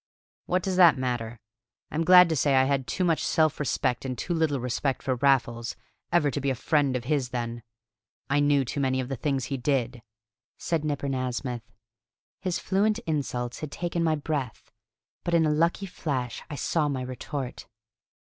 "What does that matter? I am glad to say I had too much self respect, and too little respect for Raffles, ever to be a friend of his then. I knew too many of the things he did," said Nipper Nasmyth. His fluent insults had taken my breath. But in a lucky flash I saw my retort.